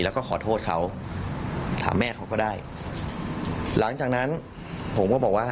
แล้วก็ขอโทษเขาถามแม่เขาก็ได้หลังจากนั้นผมก็บอกว่า